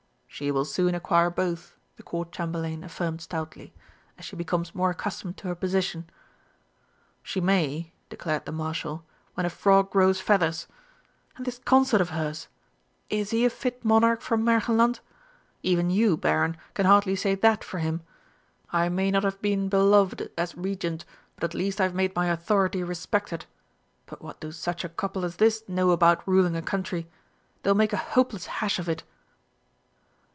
"She will soon acquire both," the Court Chamberlain affirmed stoutly, "as she becomes more accustomed to her position." "She may," declared the Marshal, "when a frog grows feathers. And this consort of hers! Is he a fit Monarch for Märchenland? Even you, Baron, can hardly say that for him! I may not have been beloved as Regent, but at least I have made my authority respected. But what do such a couple as this know about ruling a country? They'll make a hopeless hash of it!"